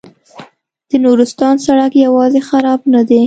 د نورستان سړک یوازې خراب نه دی.